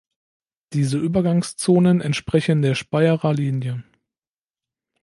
Diese Übergangszonen entsprechen der "Speyerer Linie".